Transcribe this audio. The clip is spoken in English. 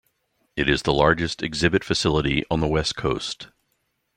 It is the largest exhibit facility on the West Coast.